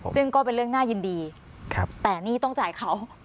ซึ่งก็เป็นเรื่องน่ายินดีแต่หนี้ต้องจ่ายเขา